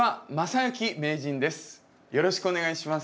よろしくお願いします。